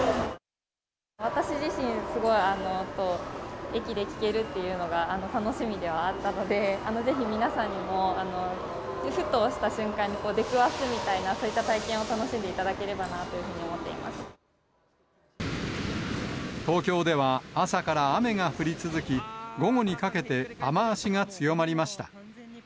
私自身、すごいあの音を、駅で聞けるっていうのが楽しみではあったので、ぜひ皆さんにも、ふとした瞬間に出くわすみたいな、そういった体験を楽しんでいただければなというふうに思っていま東京では、朝から雨が降り続き、午後にかけて雨足が強まりました。